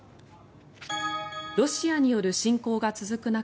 ロシアによる侵攻が続く中